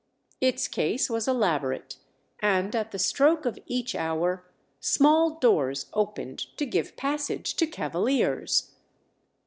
Its case was elaborate, and, at the stroke of each hour, small doors opened to give passage to cavaliers.